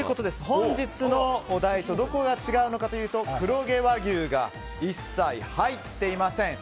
本日のお題とどこが違うのかというと黒毛和牛が一切入っていません。